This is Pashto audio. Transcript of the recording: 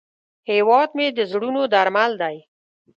هیواد مې د زړونو درمل دی